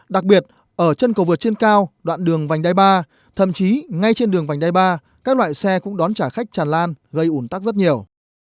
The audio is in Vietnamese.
đặc biệt ở chân cầu vượt trên cao đoạn đường vành đai ba thậm chí ngay trên đường vành đai ba các loại xe cũng đón trả khách tràn lan gây ủn tắc rất nhiều